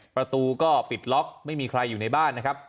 ประตูก็ปิดล็อกไม่มีใครอยู่ในบ้านนะครับ